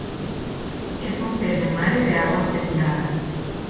Es un pez de mar y de aguas templadas.